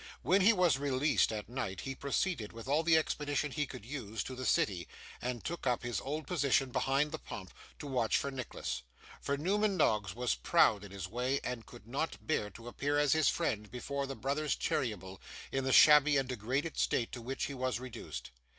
When he was released at night, he proceeded, with all the expedition he could use, to the city, and took up his old position behind the pump, to watch for Nicholas. For Newman Noggs was proud in his way, and could not bear to appear as his friend, before the brothers Cheeryble, in the shabby and degraded state to which he was reduced.